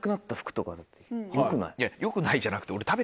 「よくない？」じゃなくて俺。